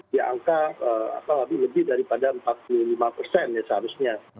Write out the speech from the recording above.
di angka lebih daripada empat puluh lima persen ya seharusnya